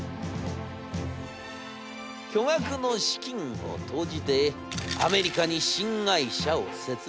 巨額の資金を投じてアメリカに新会社を設立。